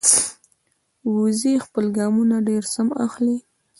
وزې خپل ګامونه ډېر سم اخلي